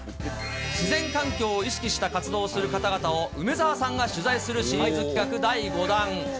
自然環境を意識した活動をする方々を、梅澤さんが取材するシリーズ企画第５弾。